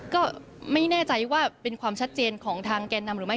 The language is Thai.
ก็ไม่แน่ใจว่าเป็นความชัดเจนของทางแกนนำหรือไม่